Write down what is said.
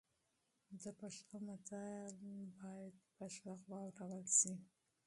د پښتو متن باید په ږغ واړول شي.